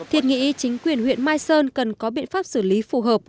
thiệt nghĩ chính quyền huyện mai sơn cần có biện pháp xử lý phù hợp